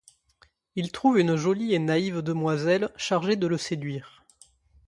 Ils trouvent une jolie et naïve demoiselle chargée de le séduire.